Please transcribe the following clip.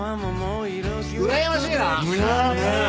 うらやましいな。